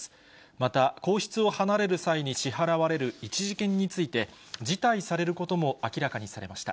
また、皇室を離れる際に支払われる一時金について、辞退されることも明らかにされました。